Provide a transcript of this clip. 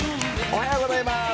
おはようございます。